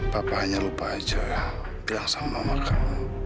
papa hanya lupa aja yang sama mama kan